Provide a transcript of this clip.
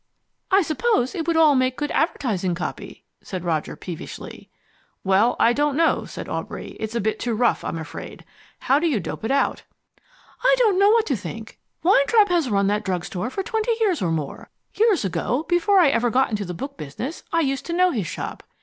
"I suppose it would all make good advertising copy?" said Roger peevishly. "Well, I don't know" said Aubrey. "It's a bit too rough, I'm afraid. How do you dope it out?" "I don't know what to think. Weintraub has run that drug store for twenty years or more. Years ago, before I ever got into the book business, I used to know his shop.